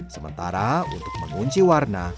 sementara untuk mengunci warna